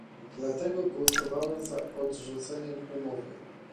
Dlatego głosowałem za odrzuceniem umowy